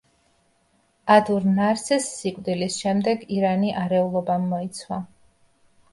ადურ ნარსეს სიკვდილის შემდეგ ირანი არეულობამ მოიცვა.